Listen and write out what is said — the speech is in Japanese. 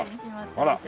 あら。